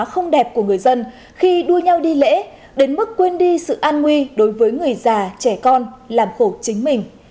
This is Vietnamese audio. không đẹp của người dân khi đua nhau đi lễ đến mức quên đi sự an nguy đối với người già trẻ con làm khổ chính mình